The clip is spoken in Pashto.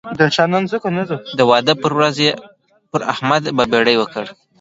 د واده پر ورځ یې پر احمد بابېړۍ وکړ.